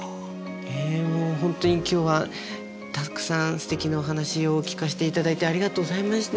本当に今日はたくさんすてきなお話を聞かせていただいてありがとうございました。